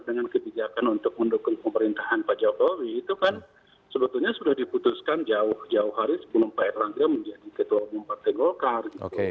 jadi ketidakkan untuk mendukung pemerintahan pak jokowi itu kan sebetulnya sudah diputuskan jauh jauh hari sebelum pak erlang tia menjadi ketua umum partai golkar